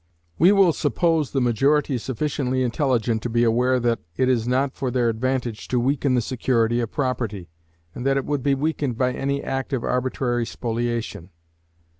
We will suppose the majority sufficiently intelligent to be aware that it is not for their advantage to weaken the security of property, and that it would be weakened by any act of arbitrary spoliation.